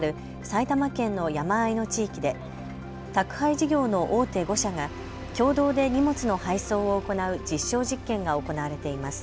埼玉県の山あいの地域で宅配事業の大手５社が共同で荷物の配送を行う実証実験が行われています。